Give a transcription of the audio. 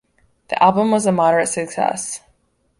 The album was a moderate success.